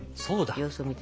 そうだ。